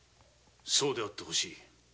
そうであって欲しい。